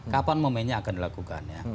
kapan momennya akan dilakukan ya